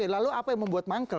lalu apa yang membuat mangkle